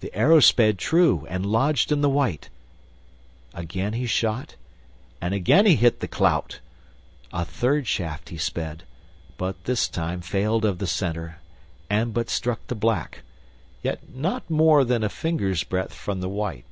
The arrow sped true, and lodged in the white; again he shot, and again he hit the clout; a third shaft he sped, but this time failed of the center, and but struck the black, yet not more than a finger's breadth from the white.